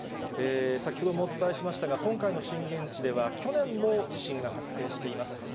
先ほどもお伝えしましたが、今回の震源地では、去年も地震が発生しています。